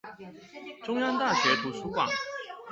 中央大學圖書館